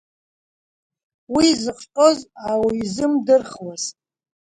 Уи зыхҟьоз аузимдырхуаз…